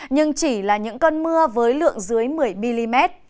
nhưng chỉ là những cơn mưa với lượng dưới một mươi mm